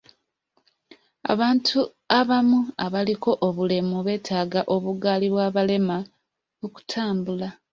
Abantu abamu abaliko obulemu beetaaga obugaali bw'abalema okutambula.